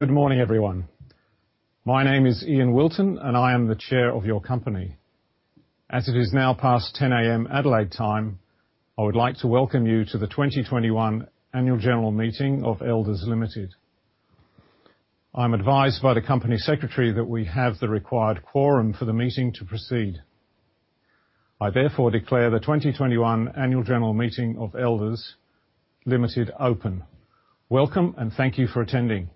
Good morning, everyone. My name is Ian Wilton, and I am the Chair of your company. As it is now past 10:00 A.M. Adelaide time, I would like to welcome you to the 2021 Annual General Meeting of Elders Limited. I'm advised by the Company Secretary that we have the required quorum for the meeting to proceed. I therefore declare the 2021 Annual General Meeting of Elders Limited open. Welcome and thank you for attending.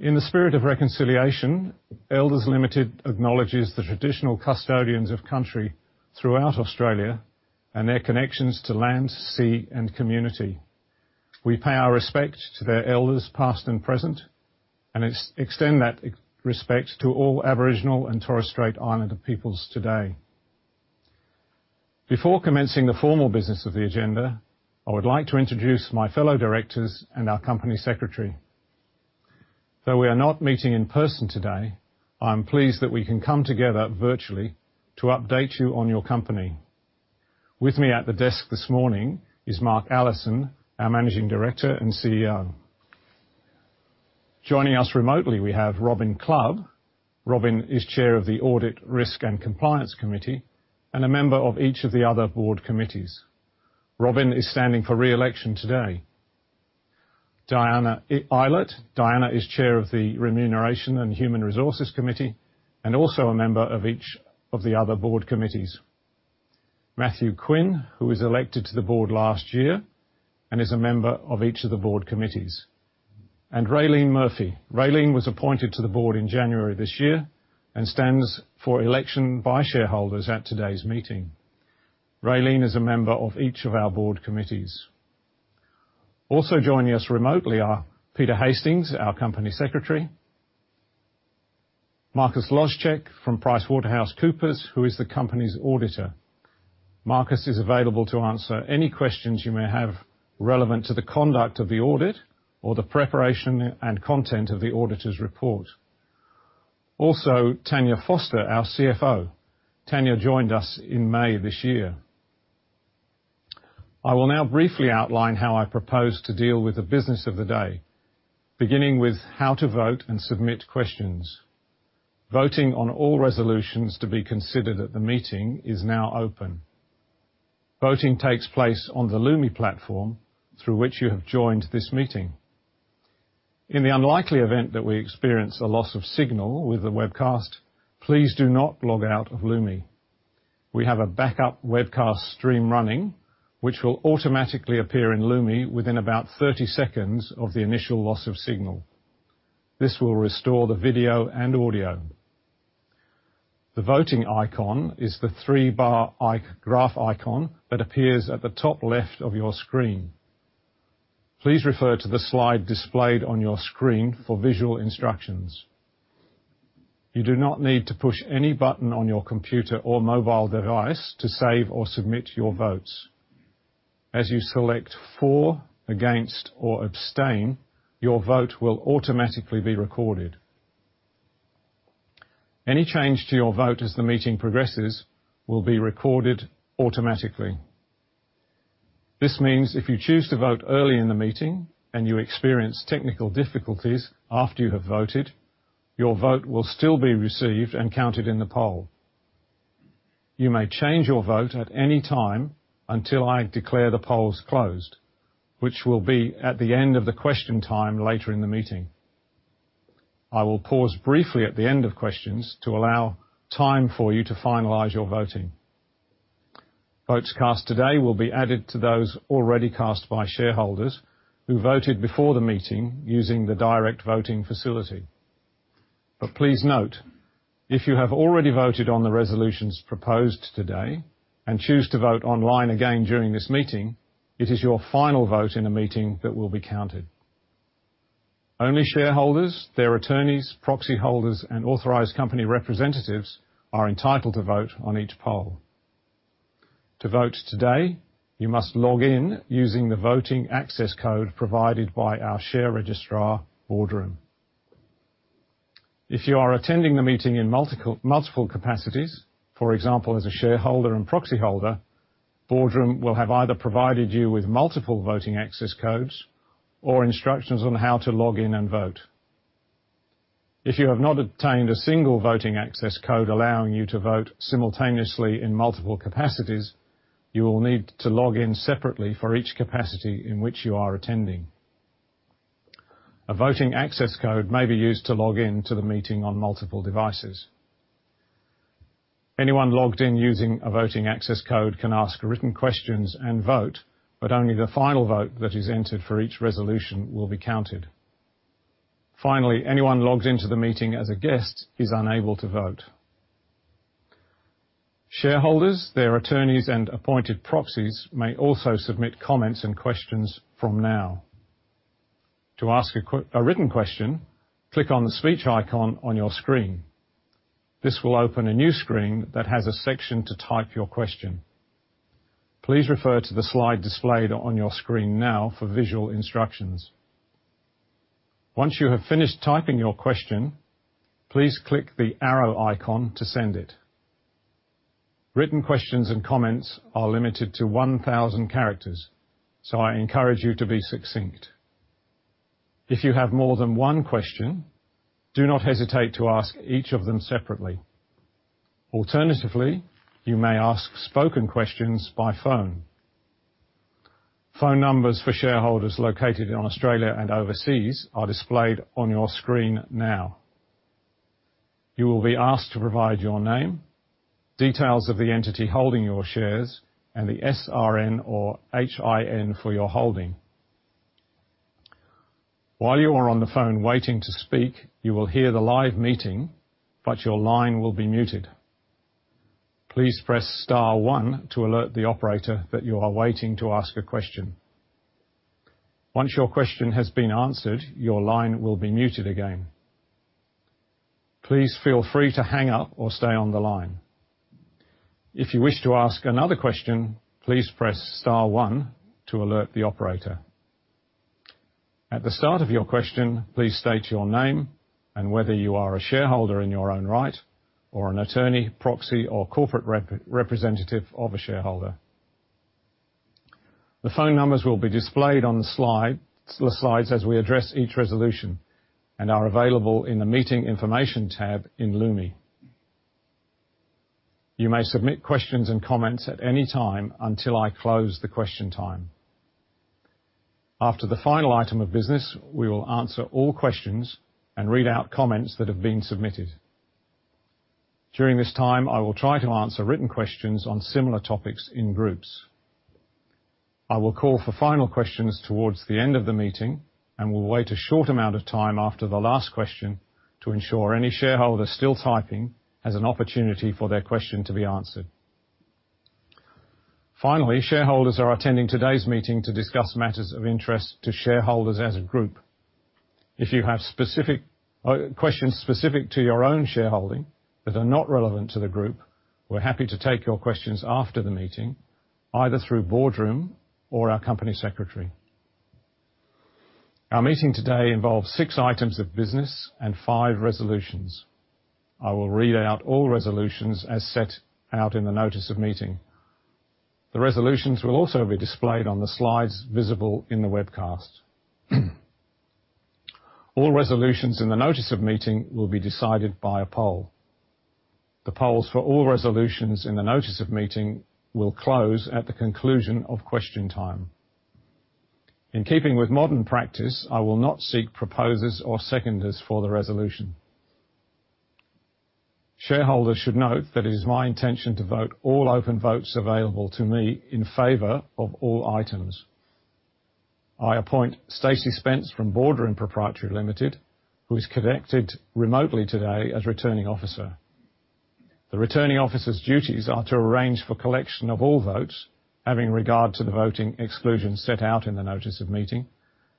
In the spirit of reconciliation, Elders Limited acknowledges the traditional custodians of country throughout Australia and their connections to land, sea, and community. We pay our respect to their elders, past and present, and extend that respect to all Aboriginal and Torres Strait Islander peoples today. Before commencing the formal business of the agenda, I would like to introduce my fellow directors and our Company Secretary. Though we are not meeting in person today, I am pleased that we can come together virtually to update you on your company. With me at the desk this morning is Mark Allison, our Managing Director and CEO. Joining us remotely, we have Robyn Clubb. Robyn is Chair of the Audit, Risk and Compliance Committee and a member of each of the other board committees. Robyn is standing for re-election today. Diana Eilert. Diana is Chair of the Remuneration and Human Resources Committee and also a member of each of the other board committees. Matthew Quinn, who was elected to the board last year and is a member of each of the board committees. Raelene Murphy. Raelene was appointed to the board in January this year and stands for election by shareholders at today's meeting. Raelene is a member of each of our board committees. Joining us remotely are Peter Hastings, our Company Secretary. Marcus Loschek from PricewaterhouseCoopers, who is the company's auditor. Marcus is available to answer any questions you may have relevant to the conduct of the audit or the preparation and content of the auditor's report. Tania Foster, our CFO. Tania joined us in May this year. I will now briefly outline how I propose to deal with the business of the day, beginning with how to vote and submit questions. Voting on all resolutions to be considered at the meeting is now open. Voting takes place on the Lumi platform through which you have joined this meeting. In the unlikely event that we experience a loss of signal with the webcast, please do not log out of Lumi. We have a backup webcast stream running, which will automatically appear in Lumi within about 30 seconds of the initial loss of signal. This will restore the video and audio. The voting icon is the three bar icon that appears at the top left of your screen. Please refer to the slide displayed on your screen for visual instructions. You do not need to push any button on your computer or mobile device to save or submit your votes. As you select for, Against, or Abstain, your vote will automatically be recorded. Any change to your vote as the meeting progresses will be recorded automatically. This means if you choose to vote early in the meeting and you experience technical difficulties after you have voted, your vote will still be received and counted in the poll. You may change your vote at any time until I declare the polls closed, which will be at the end of the question time later in the meeting. I will pause briefly at the end of questions to allow time for you to finalize your voting. Votes cast today will be added to those already cast by shareholders who voted before the meeting using the direct voting facility. Please note, if you have already voted on the resolutions proposed today and choose to vote online again during this meeting, it is your final vote in the meeting that will be counted. Only shareholders, their attorneys, proxy holders, and authorized company representatives are entitled to vote on each poll. To vote today, you must log in using the voting access code provided by our share registrar, Boardroom. If you are attending the meeting in multiple capacities, for example, as a shareholder and proxy holder, Boardroom will have either provided you with multiple voting access codes or instructions on how to log in and vote. If you have not obtained a single voting access code allowing you to vote simultaneously in multiple capacities, you will need to log in separately for each capacity in which you are attending. A voting access code may be used to log in to the meeting on multiple devices. Anyone logged in using a voting access code can ask written questions and vote, but only the final vote that is entered for each resolution will be counted. Finally, anyone logged into the meeting as a guest is unable to vote. Shareholders, their attorneys, and appointed proxies may also submit comments and questions from now. To ask a written question, click on the speech icon on your screen. This will open a new screen that has a section to type your question. Please refer to the slide displayed on your screen now for visual instructions. Once you have finished typing your question, please click the arrow icon to send it. Written questions and comments are limited to 1,000 characters, so I encourage you to be succinct. If you have more than one question, do not hesitate to ask each of them separately. Alternatively, you may ask spoken questions by phone. Phone numbers for shareholders located in Australia and overseas are displayed on your screen now. You will be asked to provide your name, details of the entity holding your shares, and the SRN or HIN for your holding. While you are on the phone waiting to speak, you will hear the live meeting, but your line will be muted. Please press star one to alert the operator that you are waiting to ask a question. Once your question has been answered, your line will be muted again. Please feel free to hang up or stay on the line. If you wish to ask another question, please press star one to alert the operator. At the start of your question, please state your name and whether you are a shareholder in your own right or an attorney, proxy, or corporate representative of a shareholder. The phone numbers will be displayed on the slide, the slides as we address each resolution and are available in the Meeting Information tab in Lumi. You may submit questions and comments at any time until I close the question time. After the final item of business, we will answer all questions and read out comments that have been submitted. During this time, I will try to answer written questions on similar topics in groups. I will call for final questions towards the end of the meeting and will wait a short amount of time after the last question to ensure any shareholder still typing has an opportunity for their question to be answered. Finally, shareholders are attending today's meeting to discuss matters of interest to shareholders as a group. If you have specific or questions specific to your own shareholding that are not relevant to the group, we're happy to take your questions after the meeting, either through Boardroom or our Company Secretary. Our meeting today involves six items of business and five resolutions. I will read out all resolutions as set out in the notice of meeting. The resolutions will also be displayed on the slides visible in the webcast. All resolutions in the notice of meeting will be decided via poll. The polls for all resolutions in the notice of meeting will close at the conclusion of question time. In keeping with modern practice, I will not seek proposers or seconders for the resolution. Shareholders should note that it is my intention to vote all open votes available to me in favor of all items. I appoint Stacey Spence from Boardroom Pty Limited, who is connected remotely today as Returning Officer. The Returning Officer's duties are to arrange for collection of all votes, having regard to the voting exclusions set out in the notice of meeting,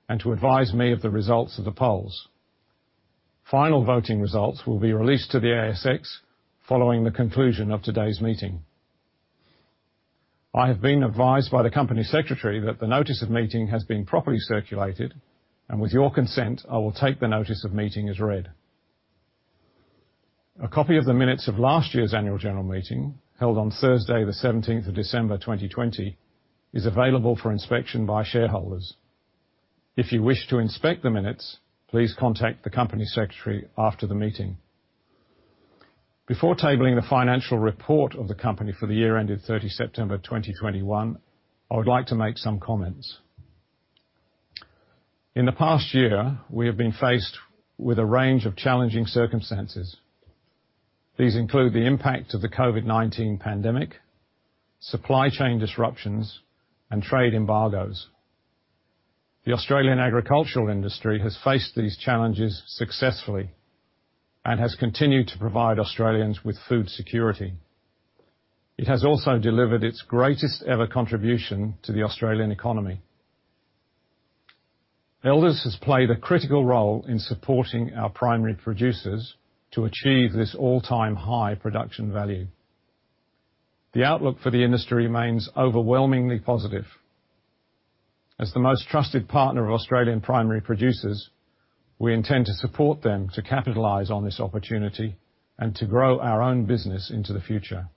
and to advise me of the results of the polls. Final voting results will be released to the ASX following the conclusion of today's meeting. I have been advised by the Company Secretary that the notice of meeting has been properly circulated, and with your consent, I will take the notice of meeting as read. A copy of the minutes of last year's Annual General Meeting, held on Thursday, the 17th of December, 2020, is available for inspection by shareholders. If you wish to inspect the minutes, please contact the Company Secretary after the meeting. Before tabling the financial report of the company for the year ended 30 September 2021, I would like to make some comments. In the past year, we have been faced with a range of challenging circumstances. These include the impact of the COVID-19 pandemic, supply chain disruptions, and trade embargoes. The Australian agricultural industry has faced these challenges successfully and has continued to provide Australians with food security. It has also delivered its greatest ever contribution to the Australian economy. Elders has played a critical role in supporting our primary producers to achieve this all-time high production value. The outlook for the industry remains overwhelmingly positive. As the most trusted partner of Australian primary producers, we intend to support them to capitalize on this opportunity and to grow our own business into the future.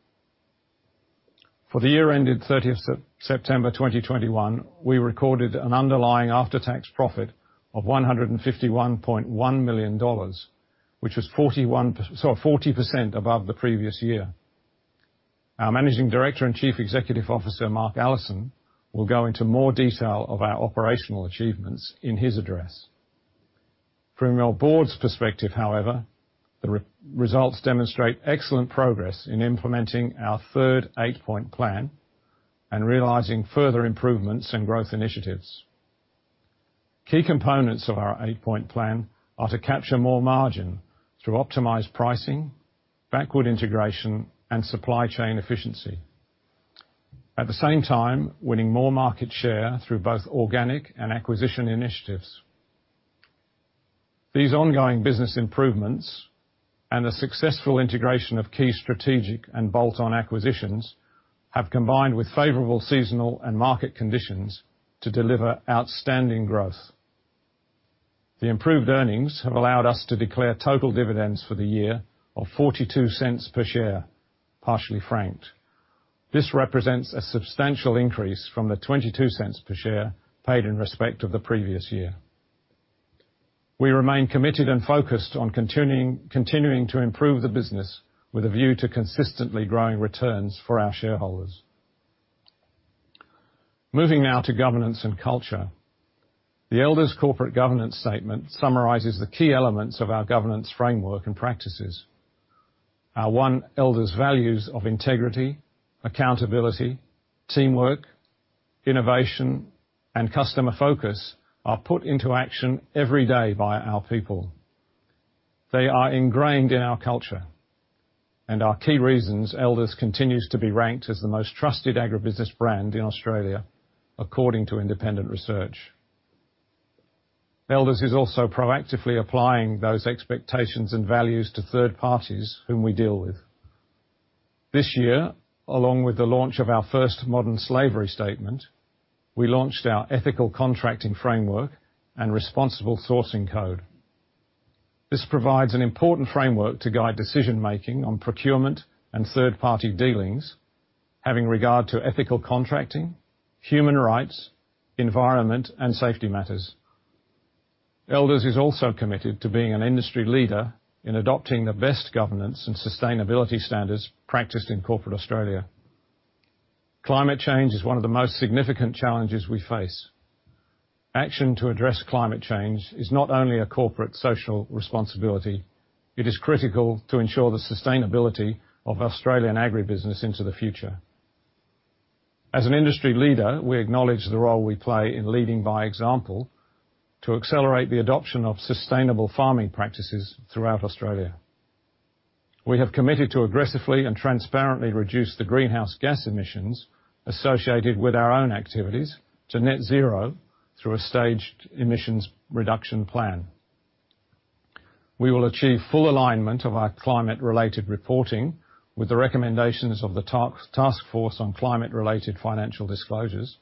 For the year ended 30th September 2021, we recorded an underlying after-tax profit of 151.1 million dollars, which was 40% above the previous year. Our Managing Director and Chief Executive Officer, Mark Allison, will go into more detail of our operational achievements in his address. From our board's perspective, however, the results demonstrate excellent progress in implementing our Third Eight Point Plan and realizing further improvements and growth initiatives. Key components of our Eight Point Plan are to capture more margin through optimized pricing, backward integration, and supply chain efficiency. At the same time, winning more market share through both organic and acquisition initiatives. These ongoing business improvements and the successful integration of key strategic and bolt-on acquisitions have combined with favorable seasonal and market conditions to deliver outstanding growth. The improved earnings have allowed us to declare total dividends for the year of 0.42 per share, partially franked. This represents a substantial increase from the 0.22 per share paid in respect of the previous year. We remain committed and focused on continuing to improve the business with a view to consistently growing returns for our shareholders. Moving now to governance and culture. The Elders corporate governance statement summarizes the key elements of our governance framework and practices. Our One Elders values of integrity, accountability, teamwork, innovation, and customer focus are put into action every day by our people. They are ingrained in our culture and are key reasons Elders continues to be ranked as the most trusted agribusiness brand in Australia according to independent research. Elders is also proactively applying those expectations and values to third parties whom we deal with. This year, along with the launch of our first modern slavery statement, we launched our ethical contracting framework and responsible sourcing code. This provides an important framework to guide decision-making on procurement and third-party dealings, having regard to ethical contracting, human rights, environment, and safety matters. Elders is also committed to being an industry leader in adopting the best governance and sustainability standards practiced in corporate Australia. Climate change is one of the most significant challenges we face. Action to address climate change is not only a corporate social responsibility, it is critical to ensure the sustainability of Australian agribusiness into the future. As an industry leader, we acknowledge the role we play in leading by example to accelerate the adoption of sustainable farming practices throughout Australia. We have committed to aggressively and transparently reduce the greenhouse gas emissions associated with our own activities to net zero through a staged emissions reduction plan. We will achieve full alignment of our climate-related reporting with the recommendations of the Task Force on Climate-related Financial Disclosures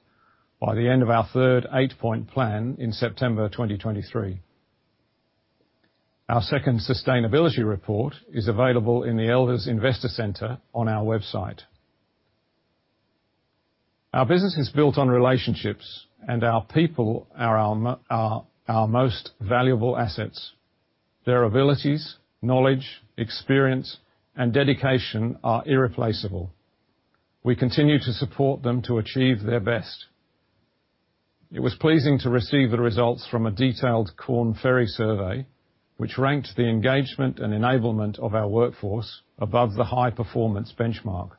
by the end of our Third Eight Point Plan in September 2023. Our second sustainability report is available in the Elders Investor Centre on our website. Our business is built on relationships, and our people are our most valuable assets. Their abilities, knowledge, experience, and dedication are irreplaceable. We continue to support them to achieve their best. It was pleasing to receive the results from a detailed Korn Ferry survey, which ranked the engagement and enablement of our workforce above the high-performance benchmark.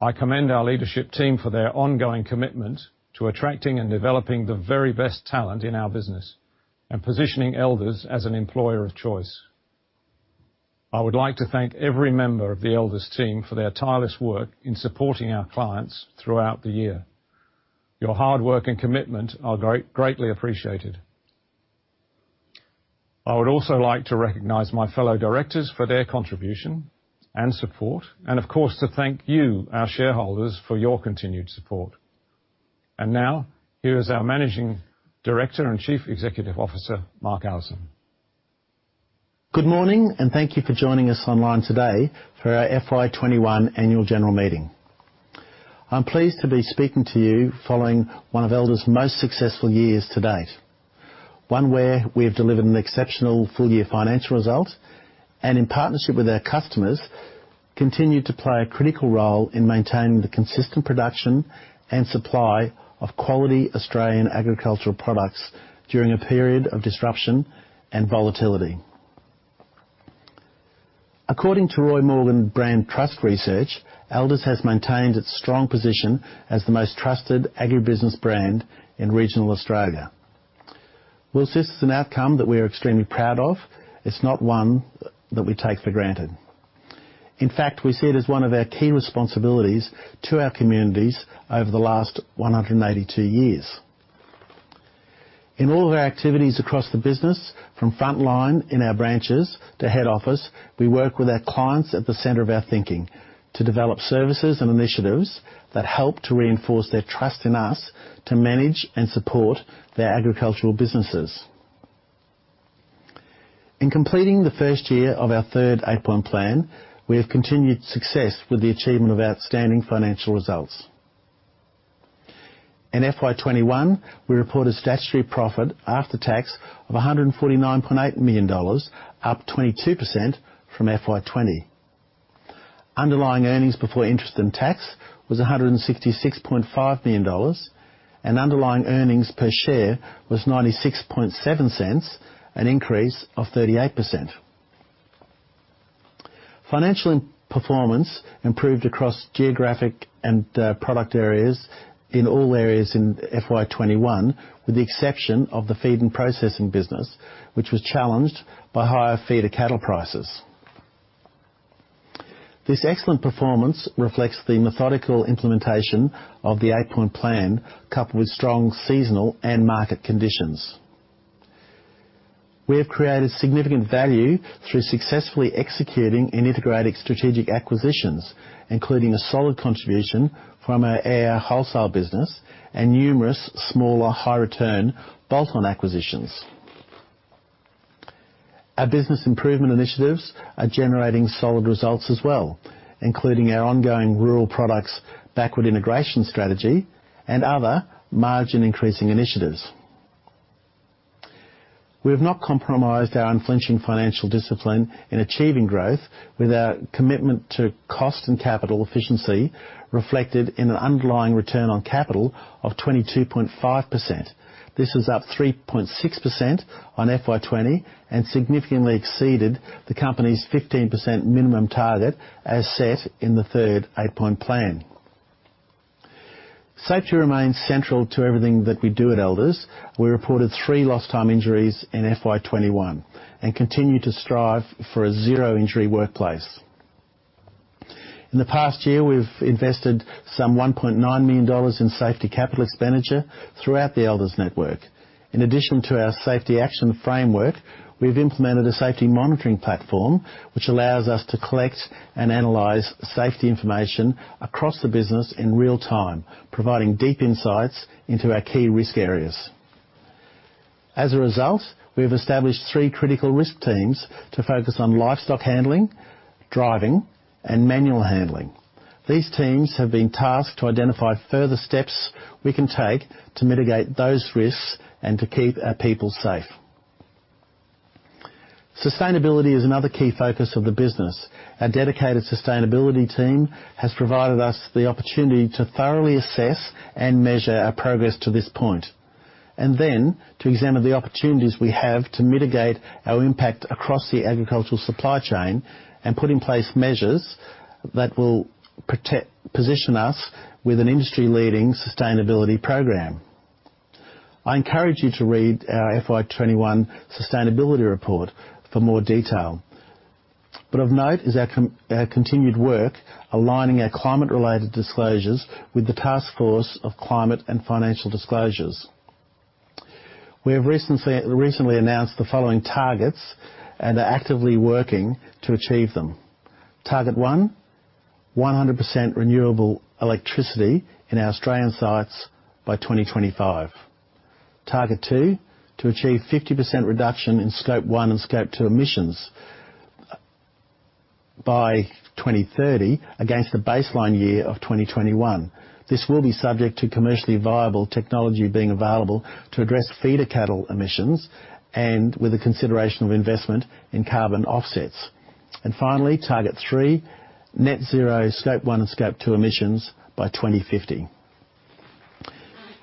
I commend our leadership team for their ongoing commitment to attracting and developing the very best talent in our business and positioning Elders as an employer of choice. I would like to thank every member of the Elders team for their tireless work in supporting our clients throughout the year. Your hard work and commitment are greatly appreciated. I would also like to recognize my fellow directors for their contribution and support, and of course, to thank you, our shareholders, for your continued support. Now, here's our Managing Director and Chief Executive Officer, Mark Allison. Good morning, and thank you for joining us online today for our FY 2021 Annual General Meeting. I'm pleased to be speaking to you following one of Elders' most successful years to date, one where we have delivered an exceptional full-year financial result, and in partnership with our customers, continued to play a critical role in maintaining the consistent production and supply of quality Australian agricultural products during a period of disruption and volatility. According to Roy Morgan Brand Trust Research, Elders has maintained its strong position as the most trusted agribusiness brand in regional Australia. While this is an outcome that we are extremely proud of, it's not one that we take for granted. In fact, we see it as one of our key responsibilities to our communities over the last 182 years. In all of our activities across the business, from frontline in our branches to head office, we work with our clients at the center of our thinking to develop services and initiatives that help to reinforce their trust in us to manage and support their agricultural businesses. In completing the first year of our Third Eight Point Plan, we have continued success with the achievement of outstanding financial results. In FY 2021, we reported statutory profit after tax of 149.8 million dollars, up 22% from FY 2020. Underlying earnings before interest and tax was 166.5 million dollars, and underlying earnings per share was 0.967, an increase of 38%. Financial performance improved across geographic and product areas in all areas in FY 2021, with the exception of the feed and processing business, which was challenged by higher feeder cattle prices. This excellent performance reflects the methodical implementation of the Eight Point Plan, coupled with strong seasonal and market conditions. We have created significant value through successfully executing and integrating strategic acquisitions, including a solid contribution from our AIRR Wholesale business and numerous smaller high return bolt-on acquisitions. Our business improvement initiatives are generating solid results as well, including our ongoing rural products backward integration strategy and other margin-increasing initiatives. We have not compromised our unflinching financial discipline in achieving growth with our commitment to cost and capital efficiency reflected in an underlying return on capital of 22.5%. This is up 3.6% on FY 2021 and significantly exceeded the company's 15% minimum target as set in the Third Eight Point Plan. Safety remains central to everything that we do at Elders. We reported three lost time injuries in FY 2021 and continue to strive for a zero-injury workplace. In the past year, we've invested some 1.9 million dollars in safety capital expenditure throughout the Elders network. In addition to our safety action framework, we've implemented a safety monitoring platform, which allows us to collect and analyze safety information across the business in real time, providing deep insights into our key risk areas. As a result, we have established three critical risk teams to focus on livestock handling, driving, and manual handling. These teams have been tasked to identify further steps we can take to mitigate those risks and to keep our people safe. Sustainability is another key focus of the business. Our dedicated sustainability team has provided us the opportunity to thoroughly assess and measure our progress to this point, and then to examine the opportunities we have to mitigate our impact across the agricultural supply chain and put in place measures that will position us with an industry-leading sustainability program. I encourage you to read our FY 2021 sustainability report for more detail. Of note is our continued work aligning our climate-related disclosures with the Task Force on Climate-related Financial Disclosures. We have recently announced the following targets and are actively working to achieve them. Target 1, 100% renewable electricity in our Australian sites by 2025. Target 2, to achieve 50% reduction in Scope 1 and Scope 2 emissions by 2030 against a baseline year of 2021. This will be subject to commercially viable technology being available to address feeder cattle emissions and with a consideration of investment in carbon offsets. Finally, Target 3, net zero Scope 1 and Scope 2 emissions by 2050.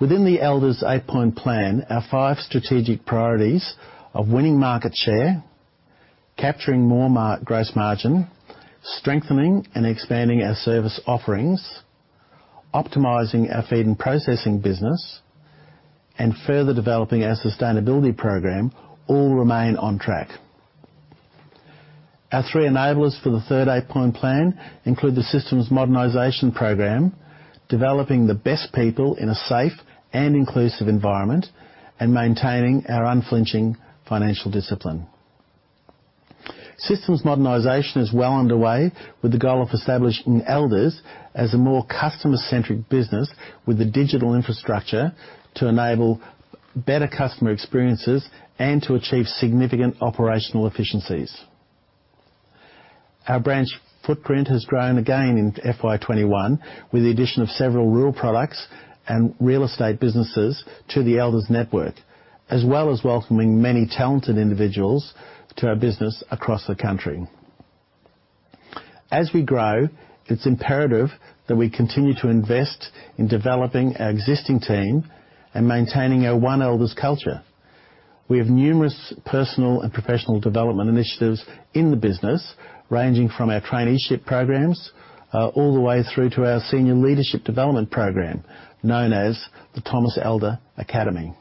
Within the Elders Eight Point Plan, our five strategic priorities of winning market share, capturing more gross margin, strengthening and expanding our service offerings, optimizing our feed and processing business, and further developing our sustainability program all remain on track. Our three enablers for the Third Eight Point Plan include the Systems Modernization program, developing the best people in a safe and inclusive environment, and maintaining our unflinching financial discipline. Systems Modernization is well underway with the goal of establishing Elders as a more customer-centric business with the digital infrastructure to enable better customer experiences and to achieve significant operational efficiencies. Our branch footprint has grown again in FY 2021 with the addition of several rural products and real estate businesses to the Elders network, as well as welcoming many talented individuals to our business across the country. As we grow, it's imperative that we continue to invest in developing our existing team and maintaining our One Elders culture. We have numerous personal and professional development initiatives in the business, ranging from our traineeship programs all the way through to our Senior Leadership Development program, known as the Thomas Elder Academy.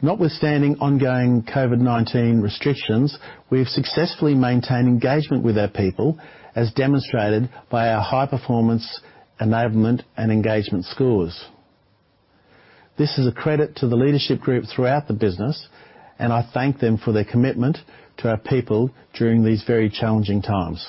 Notwithstanding ongoing COVID-19 restrictions, we've successfully maintained engagement with our people, as demonstrated by our high-performance enablement and engagement scores. This is a credit to the leadership group throughout the business, and I thank them for their commitment to our people during these very challenging times.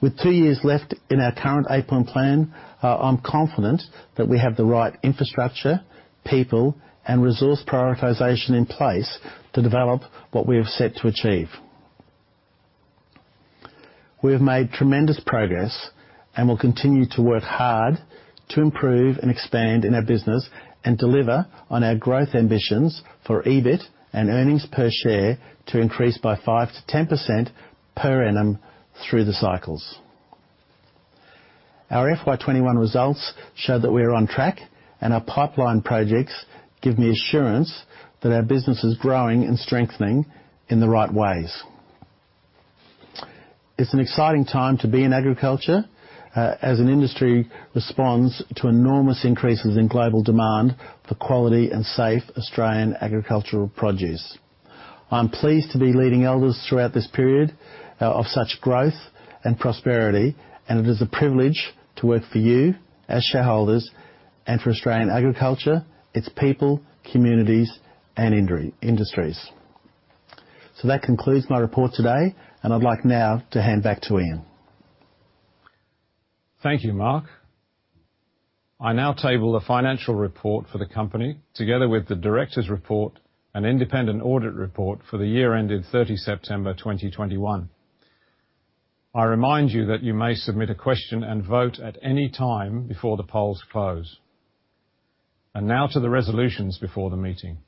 With two years left in our current Eight Point Plan, I'm confident that we have the right infrastructure, people, and resource prioritization in place to develop what we have set to achieve. We have made tremendous progress and will continue to work hard to improve and expand in our business and deliver on our growth ambitions for EBIT and earnings per share to increase by 5%-10% per annum through the cycles. Our FY 2021 results show that we are on track, and our pipeline projects give me assurance that our business is growing and strengthening in the right ways. It's an exciting time to be in agriculture, as an industry responds to enormous increases in global demand for quality and safe Australian agricultural produce. I'm pleased to be leading Elders throughout this period of such growth and prosperity, and it is a privilege to work for you, our shareholders, and for Australian agriculture, its people, communities, and industries. That concludes my report today, and I'd like now to hand back to Ian. Thank you, Mark. I now table the financial report for the company, together with the director's report and independent audit report for the year ended 30 September 2021. I remind you that you may submit a question and vote at any time before the polls close. Now to the resolutions before the meeting.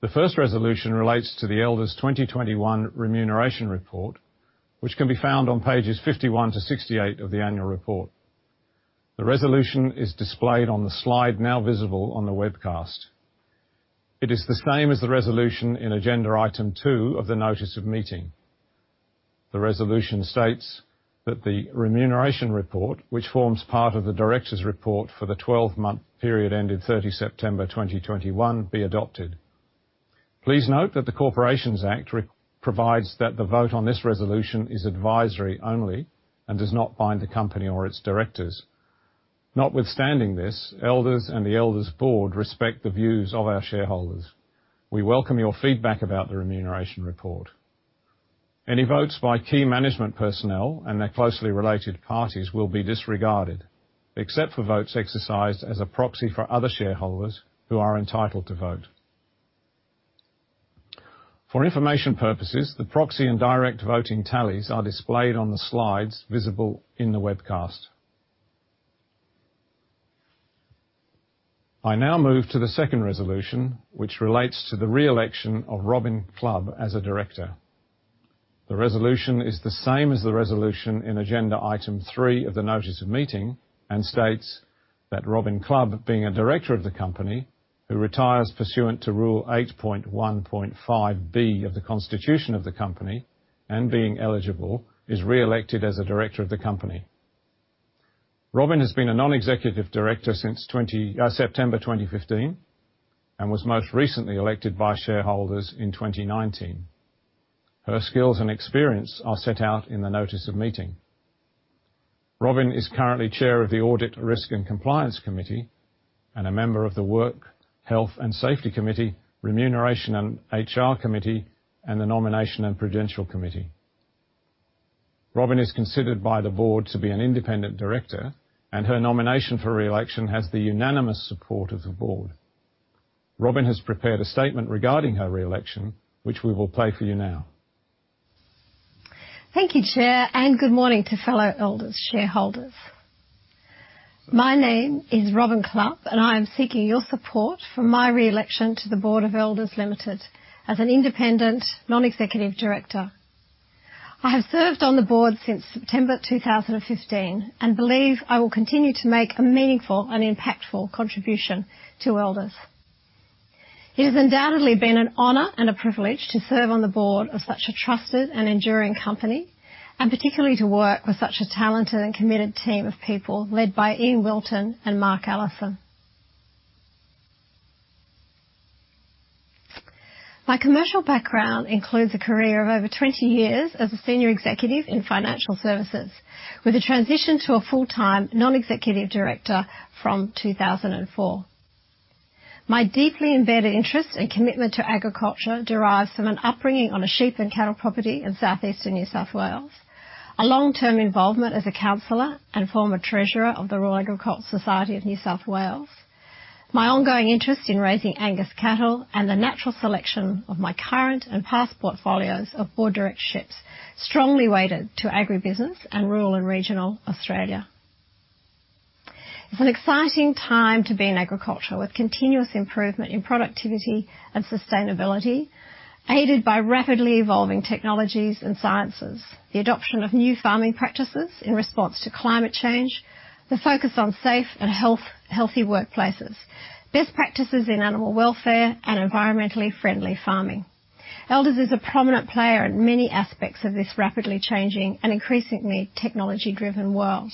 The first resolution relates to the Elders 2021 Remuneration Report, which can be found on pages 51-68 of the annual report. The resolution is displayed on the slide now visible on the webcast. It is the same as the resolution in agenda item two of the Notice of Meeting. The resolution states that the Remuneration Report, which forms part of the director's report for the 12 month period ended 30 September 2021 be adopted. Please note that the Corporations Act provides that the vote on this resolution is advisory only and does not bind the company or its directors. Notwithstanding this, Elders and the Elders board respect the views of our shareholders. We welcome your feedback about the Remuneration Report. Any votes by key management personnel and their closely related parties will be disregarded, except for votes exercised as a proxy for other shareholders who are entitled to vote. For information purposes, the proxy and direct voting tallies are displayed on the slides visible in the webcast. I now move to the second resolution, which relates to the re-election of Robyn Clubb as a director. The resolution is the same as the resolution in agenda item three of the Notice of Meeting and states that Robyn Clubb, being a director of the company, who retires pursuant to Rule 8.1.5B of the Constitution of the company and being eligible, is re-elected as a Director of the Company. Robyn has been a Non-Executive Director since September 2015, and was most recently elected by shareholders in 2019. Her skills and experience are set out in the Notice of Meeting. Robyn is currently chair of the Audit, Risk and Compliance Committee and a member of the Work Health and Safety Committee, Remuneration and HR Committee, and the Nomination and Prudential Committee. Robyn is considered by the board to be an Independent Director, and her nomination for re-election has the unanimous support of the board. Robyn has prepared a statement regarding her re-election, which we will play for you now. Thank you, Chair, and good morning to fellow Elders shareholders. My name is Robyn Clubb, and I am seeking your support for my re-election to the Board of Elders Limited as an Independent Non-executive Director. I have served on the board since September 2015 and believe I will continue to make a meaningful and impactful contribution to Elders. It has undoubtedly been an honor and a privilege to serve on the board of such a trusted and enduring company, and particularly to work with such a talented and committed team of people, led by Ian Wilton and Mark Allison. My commercial background includes a career of over 20 years as a Senior Executive in Financial Services, with a transition to a full-time Non-Executive Director from 2004. My deeply embedded interest and commitment to agriculture derives from an upbringing on a sheep and cattle property in southeastern New South Wales, a long-term involvement as a counselor and former treasurer of the Royal Agricultural Society of New South Wales, my ongoing interest in raising Angus cattle and the natural selection of my current and past portfolios of board directorships, strongly weighted to agribusiness and rural and regional Australia. It's an exciting time to be in agriculture, with continuous improvement in productivity and sustainability, aided by rapidly evolving technologies and sciences, the adoption of new farming practices in response to climate change, the focus on safe and healthy workplaces, best practices in animal welfare and environmentally friendly farming. Elders is a prominent player in many aspects of this rapidly changing and increasingly technology-driven world.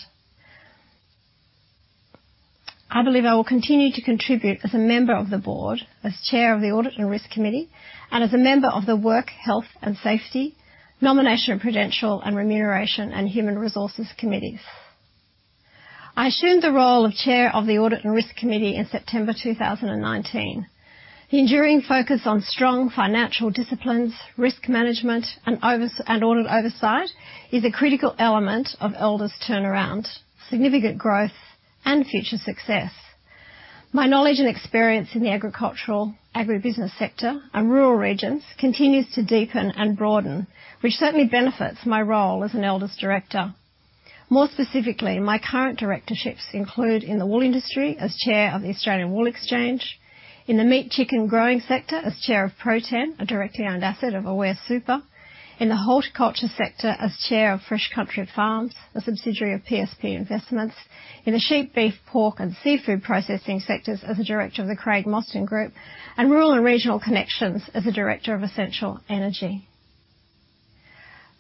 I believe I will continue to contribute as a member of the board, as Chair of the Audit and Risk Committee, and as a member of the Work, Health and Safety, Nomination and Prudential, and Remuneration and Human Resources Committees. I assumed the role of Chair of the Audit and Risk Committee in September 2019. The enduring focus on strong financial disciplines, risk management and audit oversight is a critical element of Elders' turnaround, significant growth, and future success. My knowledge and experience in the agricultural, agribusiness sector and rural regions continues to deepen and broaden, which certainly benefits my role as an Elder's director. More specifically, my current directorships include in the wool industry as Chair of the Australian Wool Exchange, in the meat chicken growing sector of Chair of ProTen, a directly owned asset of Aware Super, in the horticulture sector as Chair of Fresh Country Farms, a subsidiary of PSP Investments, in the sheep, beef, pork and seafood processing sectors as a Director of the Craig Mostyn Group, and Rural and Regional Connections as a director of Essential Energy.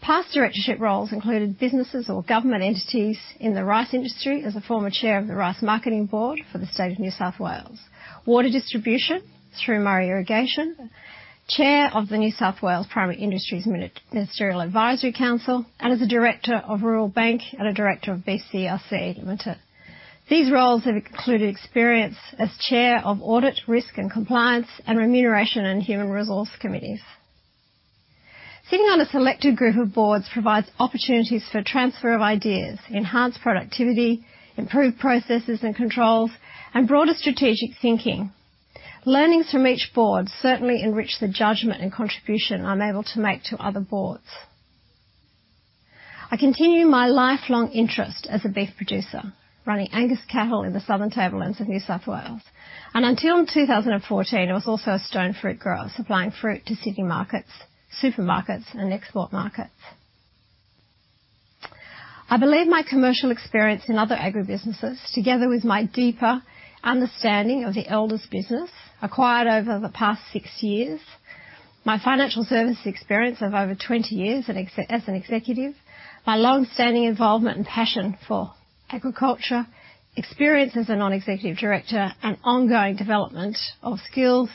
Past directorship roles included businesses or government entities in the rice industry as a former Chair of the Rice Marketing Board for the State of New South Wales, water distribution through Murray Irrigation, Chair of the New South Wales Primary Industries Ministerial Advisory Council, and as a Director of Rural Bank and a Director of BCRC Limited. These roles have included experience as Chair of Audit, Risk and Compliance and Remuneration and Human Resources Committees. Sitting on a selected group of boards provides opportunities for transfer of ideas, enhanced productivity, improved processes and controls, and broader strategic thinking. Learnings from each board certainly enrich the judgment and contribution I'm able to make to other boards. I continue my lifelong interest as a beef producer, running Angus cattle in the Southern Tablelands of New South Wales, and until 2014, I was also a stone fruit grower, supplying fruit to city markets, supermarkets and export markets. I believe my commercial experience in other agribusinesses, together with my deeper understanding of the Elders business acquired over the past six years, my financial services experience of over 20 years and as an executive, my long-standing involvement and passion for agriculture, experience as a Non-Executive Director and ongoing development of skills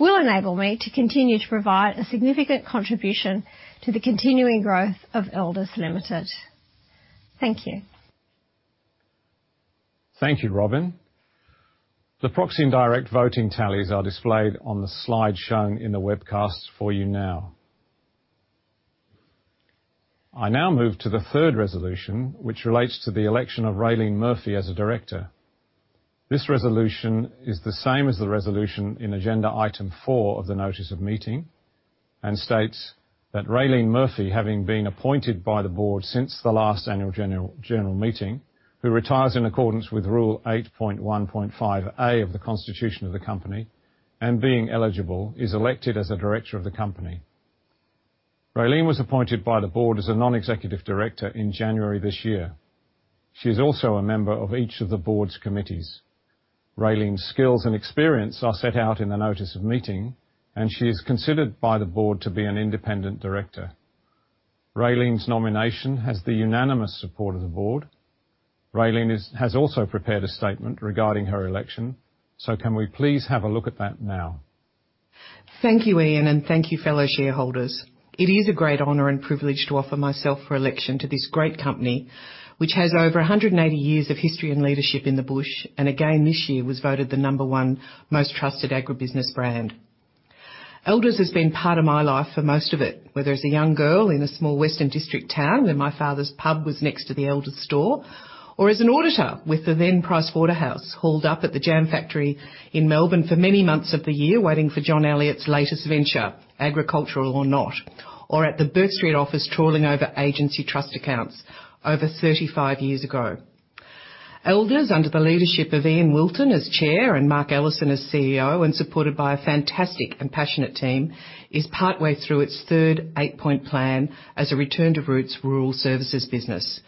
will enable me to continue to provide a significant contribution to the continuing growth of Elders Limited. Thank you. Thank you, Robyn. The proxy and direct voting tallies are displayed on the slide shown in the webcast for you now. I now move to the third resolution, which relates to the election of Raelene Murphy as a director. This resolution is the same as the resolution in agenda item four of the Notice of Meeting, and states that Raelene Murphy, having been appointed by the board since the last Annual General Meeting, who retires in accordance with Rule 8.1.5A of the constitution of the company and being eligible, is elected as a Director of the Company. Raelene was appointed by the board as a Non-Executive Director in January this year. She is also a member of each of the board's committees. Raelene's skills and experience are set out in the Notice of Meeting, and she is considered by the board to be an independent director. Raelene's nomination has the unanimous support of the board. Raelene has also prepared a statement regarding her election. Can we please have a look at that now? Thank you, Ian, and thank you, fellow shareholders. It is a great honor and privilege to offer myself for election to this great company, which has over 180 years of history and leadership in the bush, and again, this year, was voted the No. 1 most trusted agribusiness brand. Elders has been part of my life for most of it, whether as a young girl in a small western district town where my father's pub was next to the Elders store, or as an auditor with the then Price Waterhouse, holed up at the jam factory in Melbourne for many months of the year, waiting for John Elliott's latest venture, agricultural or not, or at the Bourke Street office, trawling over agency trust accounts over 35 years ago. Elders, under the leadership of Ian Wilton as Chair and Mark Allison as CEO, and supported by a fantastic and passionate team, is partway through its Third Eight Point Plan as a return to roots rural services business.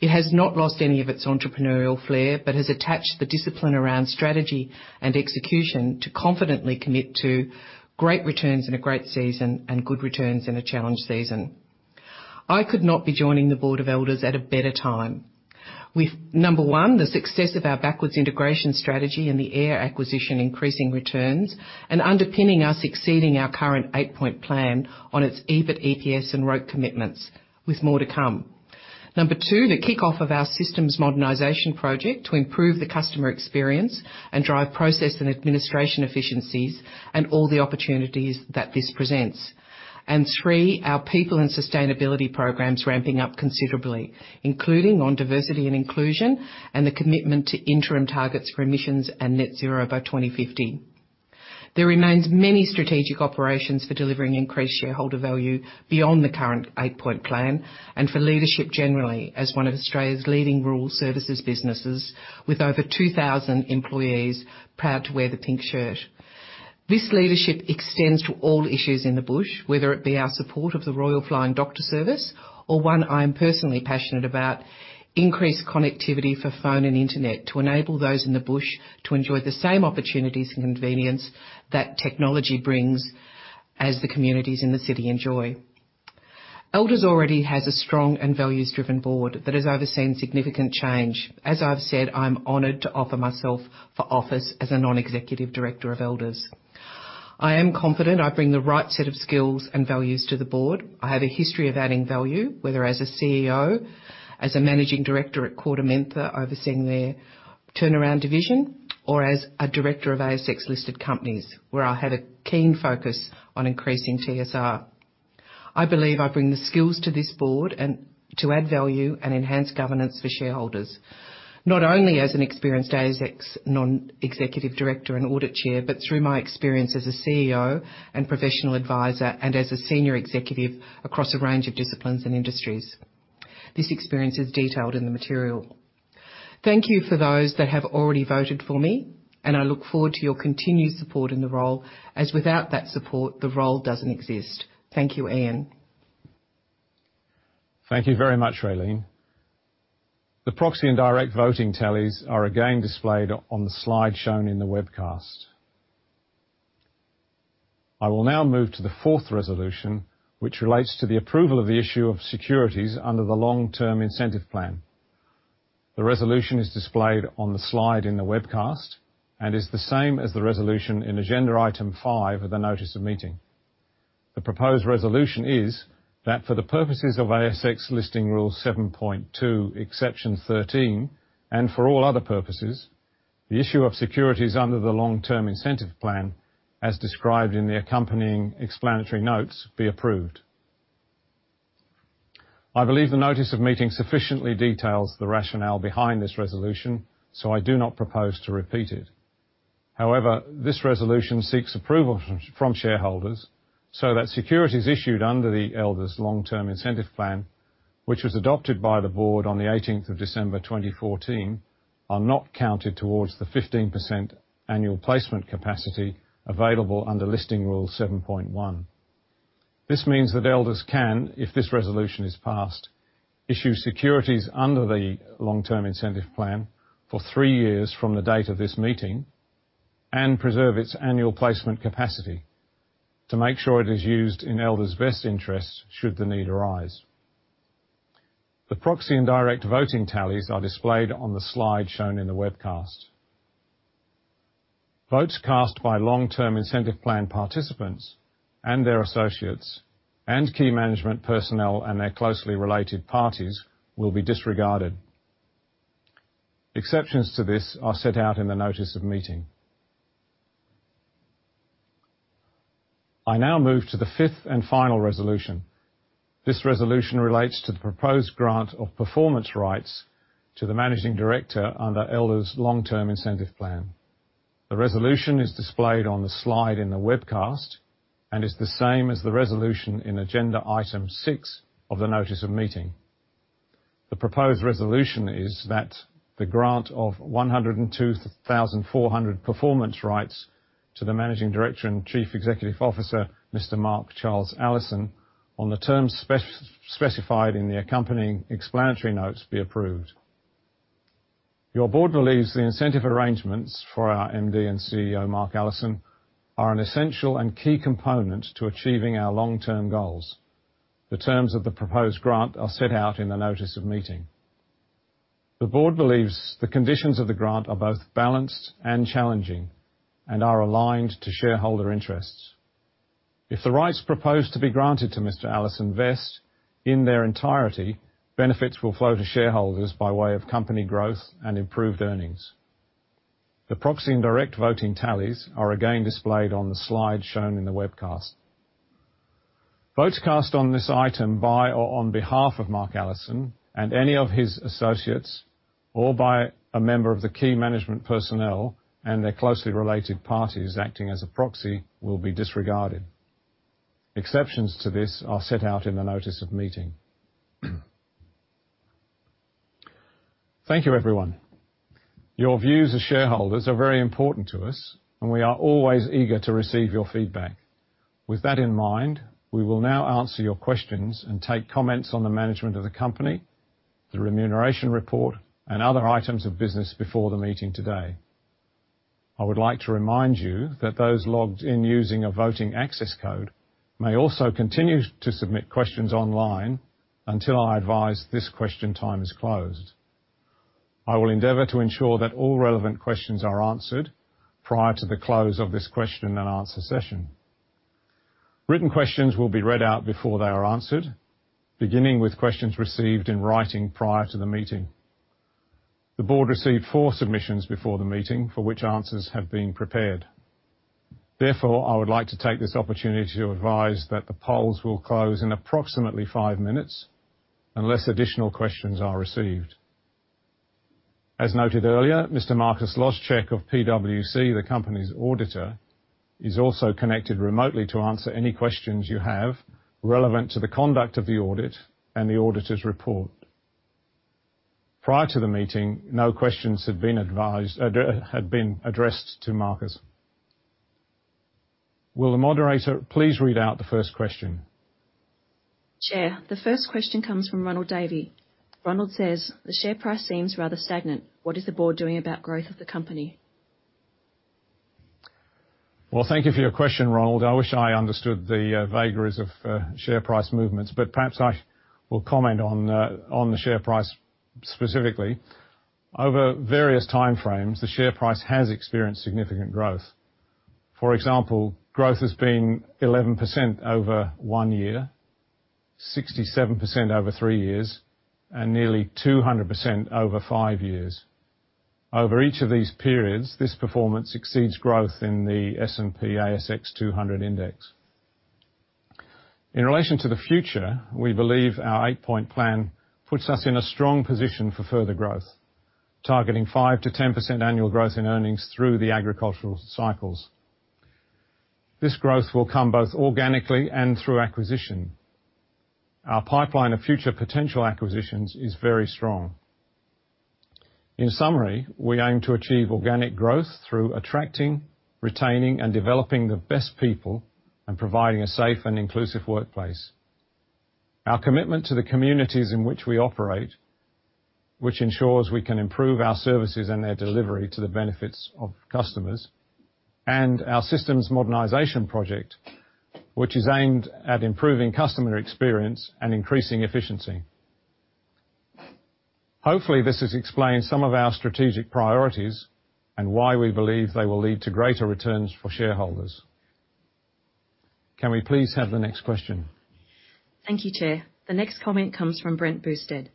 It has not lost any of its entrepreneurial flair, but has attached the discipline around strategy and execution to confidently commit to great returns in a great season and good returns in a challenge season. I could not be joining the Board of Elders at a better time. With one, the success of our backwards integration strategy and the AIRR acquisition increasing returns and underpinning us exceeding our current Eight Point Plan on its EBIT, EPS and ROTE commitments with more to come. Two, the kickoff of our Systems Modernization project to improve the customer experience and drive process and administration efficiencies and all the opportunities that this presents. Three, our people and sustainability programs ramping up considerably, including on diversity and inclusion and the commitment to interim targets for emissions and net zero by 2050. There remains many strategic operations for delivering increased shareholder value beyond the current Eight Point Plan and for leadership generally as one of Australia's leading rural services businesses with over 2000 employees proud to wear the pink shirt. This leadership extends to all issues in the bush, whether it be our support of the Royal Flying Doctor Service or one I am personally passionate about, increased connectivity for phone and internet to enable those in the bush to enjoy the same opportunities and convenience that technology brings as the communities in the city enjoy. Elders already has a strong and values-driven board that has overseen significant change. As I've said, I'm honored to offer myself for office as a Non-Executive Director of Elders. I am confident I bring the right set of skills and values to the board. I have a history of adding value, whether as a CEO, as a Managing Director at KordaMentha, overseeing their turnaround division, or as a Director of ASX-listed companies, where I had a keen focus on increasing TSR. I believe I bring the skills to this board and to add value and enhance governance for shareholders, not only as an experienced ASX Non-Executive Director and Audit Chair, but through my experience as a CEO and professional advisor and as a senior executive across a range of disciplines and industries. This experience is detailed in the material. Thank you for those that have already voted for me, and I look forward to your continued support in the role, as without that support, the role doesn't exist. Thank you, Ian. Thank you very much, Raelene. The proxy and direct voting tallies are again displayed on the slide shown in the webcast. I will now move to the fourth resolution, which relates to the approval of the issue of securities under the long-term incentive plan. The resolution is displayed on the slide in the webcast and is the same as the resolution in agenda item five of the Notice of Meeting. The proposed resolution is that for the purposes of ASX Listing Rule 7.2 Exception 13 and for all other purposes, the issue of securities under the long-term incentive plan, as described in the accompanying explanatory notes, be approved. I believe the Notice of Meeting sufficiently details the rationale behind this resolution, so I do not propose to repeat it. However, this resolution seeks approval from shareholders so that securities issued under the Elders' long-term incentive plan, which was adopted by the board on the 18th of December 2014, are not counted towards the 15% annual placement capacity available under Listing Rule 7.1. This means that Elders can, if this resolution is passed, issue securities under the long-term incentive plan for three years from the date of this meeting and preserve its annual placement capacity to make sure it is used in Elders' best interests should the need arise. The proxy and direct voting tallies are displayed on the slide shown in the webcast. Votes cast by long-term incentive plan participants and their associates and key management personnel and their closely related parties will be disregarded. Exceptions to this are set out in the Notice of Meeting. I now move to the fifth and final resolution. This resolution relates to the proposed grant of performance rights to the managing director under Elders long-term incentive plan. The resolution is displayed on the slide in the webcast and is the same as the resolution in agenda item six of the Notice of Meeting. The proposed resolution is that the grant of 102,400 performance rights to the managing director and Chief Executive Officer, Mr. Mark Charles Allison, on the terms specified in the accompanying explanatory notes, be approved. Your board believes the incentive arrangements for our MD and CEO, Mark Allison, are an essential and key component to achieving our long-term goals. The terms of the proposed grant are set out in the Notice of Meeting. The board believes the conditions of the grant are both balanced and challenging and are aligned to shareholder interests. If the rights proposed to be granted to Mr. Allison vest in their entirety, benefits will flow to shareholders by way of company growth and improved earnings. The proxy and direct voting tallies are again displayed on the slide shown in the webcast. Votes cast on this item by or on behalf of Mark Allison and any of his associates or by a member of the key management personnel and their closely related parties acting as a proxy will be disregarded. Exceptions to this are set out in the Notice of Meeting. Thank you everyone. Your views as shareholders are very important to us, and we are always eager to receive your feedback. With that in mind, we will now answer your questions and take comments on the management of the company, the remuneration report, and other items of business before the meeting today. I would like to remind you that those logged in using a voting access code may also continue to submit questions online until I advise this question time is closed. I will endeavor to ensure that all relevant questions are answered prior to the close of this question and answer session. Written questions will be read out before they are answered, beginning with questions received in writing prior to the meeting. The board received four submissions before the meeting for which answers have been prepared. Therefore, I would like to take this opportunity to advise that the polls will close in approximately five minutes unless additional questions are received. As noted earlier, Mr. Marcus Loschek of PwC, the company's auditor, is also connected remotely to answer any questions you have relevant to the conduct of the audit and the auditor's report. Prior to the meeting, no questions had been addressed to Marcus. Will the moderator please read out the first question? Chair, the first question comes from Ronald Davey. Ronald says, "The share price seems rather stagnant. What is the board doing about growth of the company?" Well, thank you for your question, Ronald. I wish I understood the vagaries of share price movements, but perhaps I will comment on the share price specifically. Over various time frames, the share price has experienced significant growth. For example, growth has been 11% over one year, 67% over three years, and nearly 200% over five years. Over each of these periods, this performance exceeds growth in the S&P/ASX 200 index. In relation to the future, we believe our Eight Point Plan puts us in a strong position for further growth, targeting 5%-10% annual growth in earnings through the agricultural cycles. This growth will come both organically and through acquisition. Our pipeline of future potential acquisitions is very strong. In summary, we aim to achieve organic growth through attracting, retaining, and developing the best people and providing a safe and inclusive workplace. Our commitment to the communities in which we operate, which ensures we can improve our services and their delivery to the benefits of customers, and our Systems Modernization project, which is aimed at improving customer experience and increasing efficiency. Hopefully, this has explained some of our strategic priorities and why we believe they will lead to greater returns for shareholders. Can we please have the next question? Thank you, Chair. The next comment comes from Brent Boustead.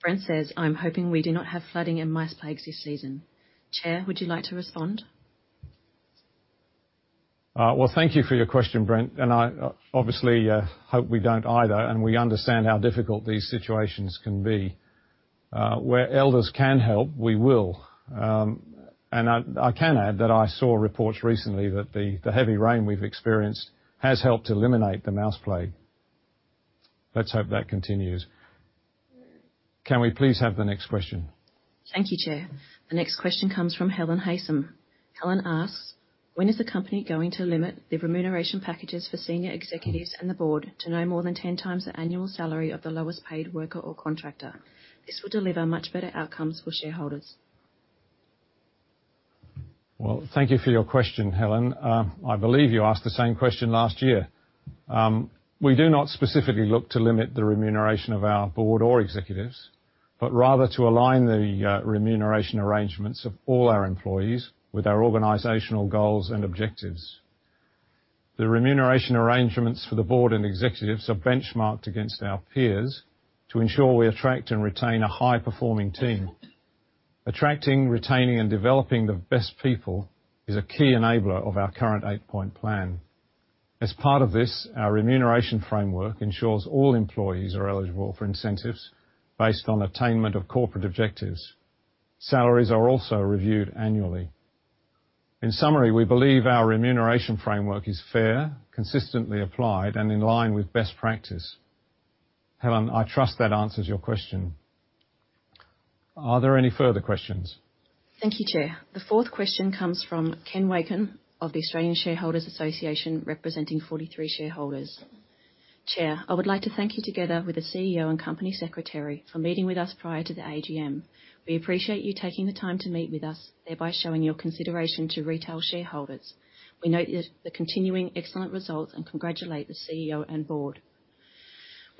Brent says, "I'm hoping we do not have flooding and mouse plagues this season." Chair, would you like to respond? Well, thank you for your question, Brent. I obviously hope we don't either, and we understand how difficult these situations can be. Where Elders can help, we will. I can add that I saw reports recently that the heavy rain we've experienced has helped eliminate the mouse plague. Let's hope that continues. Can we please have the next question? Thank you, Chair. The next question comes from Helen Haysom. Helen asks, "When is the company going to limit the remuneration packages for senior executives and the board to no more than 10x the annual salary of the lowest paid worker or contractor? This will deliver much better outcomes for shareholders." Well, thank you for your question, Helen. I believe you asked the same question last year. We do not specifically look to limit the Remuneration of our board or executives, but rather to align the Remuneration arrangements of all our employees with our organizational goals and objectives. The Remuneration arrangements for the board and executives are benchmarked against our peers to ensure we attract and retain a high-performing team. Attracting, retaining, and developing the best people is a key enabler of our current Eight Point Plan. As part of this, our remuneration Framework ensures all employees are eligible for incentives based on attainment of corporate objectives. Salaries are also reviewed annually. In summary, we believe our Remuneration Framework is fair, consistently applied, and in line with best practice. Helen, I trust that answers your question. Are there any further questions? Thank you, Chair. The fourth question comes from Ken Wakan of the Australian Shareholders' Association, representing 43 shareholders. "Chair, I would like to thank you together with the CEO and company secretary for meeting with us prior to the AGM. We appreciate you taking the time to meet with us, thereby showing your consideration to retail shareholders. We note the continuing excellent results and congratulate the CEO and board.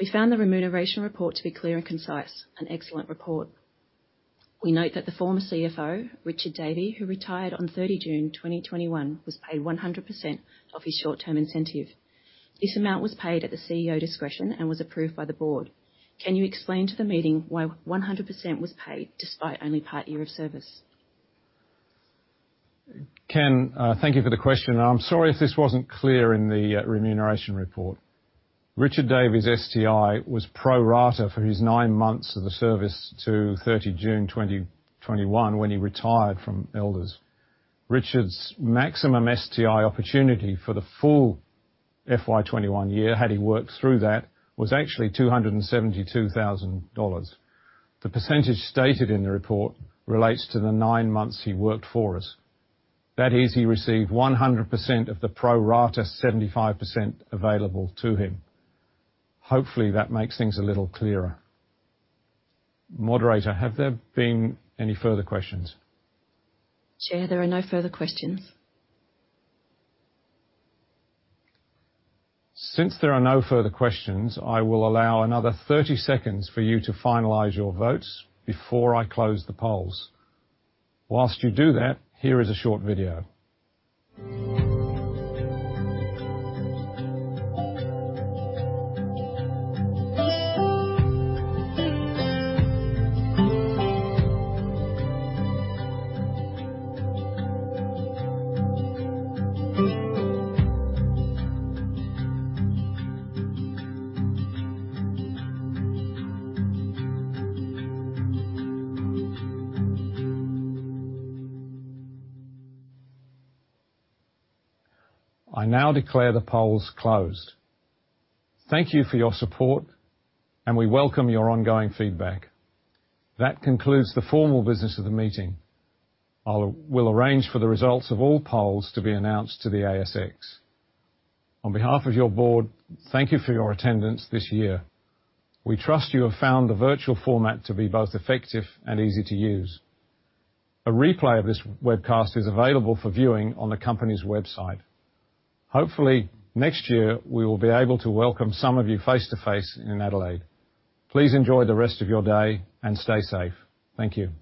We found the Remuneration Report to be clear and concise, an excellent report. We note that the former CFO, Richard Davey, who retired on 30 June 2021, was paid 100% of his short-term incentive. This amount was paid at the CEO's discretion and was approved by the board. Can you explain to the meeting why 100% was paid despite only part year of service?" Ken, thank you for the question. I'm sorry if this wasn't clear in the Remuneration Report. Richard Davey's STI was pro rata for his nine months of the service to 30 June 2021 when he retired from Elders. Richard's maximum STI opportunity for the full FY 2021 year, had he worked through that, was actually 272 thousand dollars. The percentage stated in the report relates to the nine months he worked for us. That is, he received 100% of the pro rata 75% available to him. Hopefully, that makes things a little clearer. Moderator, have there been any further questions? Chair, there are no further questions. Since there are no further questions, I will allow another 30 seconds for you to finalize your votes before I close the polls. While you do that, here is a short video. I now declare the polls closed. Thank you for your support, and we welcome your ongoing feedback. That concludes the formal business of the meeting. We'll arrange for the results of all polls to be announced to the ASX. On behalf of your board, thank you for your attendance this year. We trust you have found the virtual format to be both effective and easy to use. A replay of this webcast is available for viewing on the company's website. Hopefully, next year we will be able to welcome some of you face-to-face in Adelaide. Please enjoy the rest of your day and stay safe. Thank you.